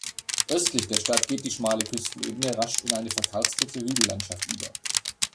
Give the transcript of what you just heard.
Östlich der Stadt geht die schmale Küstenebene rasch in eine verkarstete Hügellandschaft über.